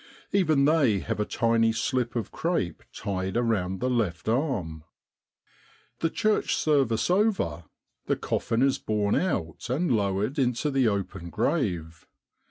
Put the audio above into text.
Even they have a tiny slip of crape tied round the left arm. The church service over, the coffin is borne out, and lowered into the open grave.